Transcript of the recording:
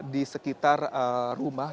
di sekitar rumah